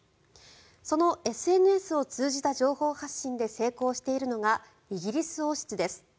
そのＳＮＳを通じた情報発信で成功しているのがイギリス王室です。